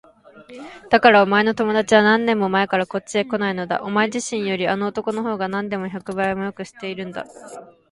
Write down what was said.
だからお前の友だちは何年も前からこっちへこないのだ。お前自身よりあの男のほうがなんでも百倍もよく知っているんだ。